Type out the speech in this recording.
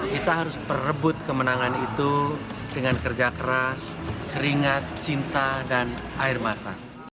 kita harus perebut kemenangan itu dengan kerja keras keringat cinta dan air mata